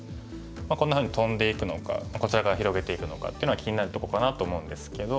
こんなふうにトンでいくのかこちらから広げていくのかっていうのは気になるとこかなと思うんですけど。